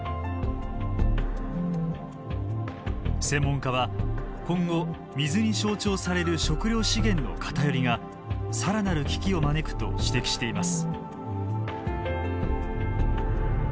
専門家は今後水に象徴される食料資源の偏りが更なる危機を招くと指摘しています。